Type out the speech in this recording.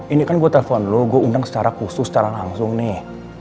ini kan gue telepon lu gue undang secara khusus secara langsung nih